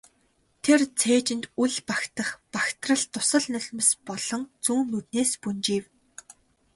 Тэр цээжинд үл багтах багтрал дусал нулимс болон зүүн нүднээс нь бөнжийв.